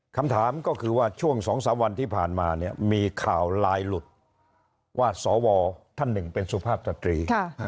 คำถามก็คือว่าช่วง๒๓วันที่ผ่านมาเนี่ยมีข่าวลายหลุดว่าสวท่านหนึ่งเป็นสุภาพสตรี